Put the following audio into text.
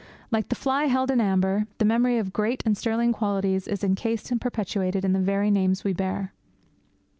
Like the fly held in the amber, the memory of great and sterling qualities is encased and perpetuated in the very names we bear.